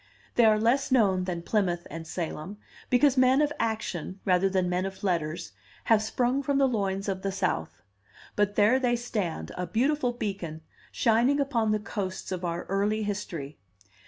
They are less known than Plymouth and Salem, because men of action, rather than men of letters, have sprung from the loins of the South; but there they stand, a beautiful beacon, shining upon the coasts of our early history.